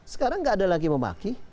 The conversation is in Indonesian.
sekarang nggak ada lagi pemerintahan